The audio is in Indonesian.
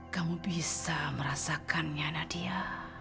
kamu bisa merasakannya nadia